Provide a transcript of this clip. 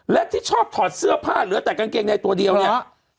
และที่ชอบถอดเสื้อผ้าเหลือแต่กางเกงในตัวเดียวเนี่ย